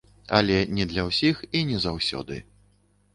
Але не для ўсіх і не заўсёды.